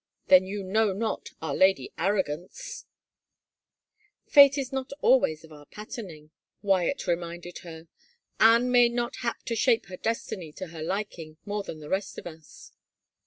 Then you know not our Lady Arrogance 1 "" Fate is not* always of our patterning," Wyatt re 235 THE FAVOR OF KINGS minded her. Anne may not hap to shape her destiny to her liking more than the rest of us."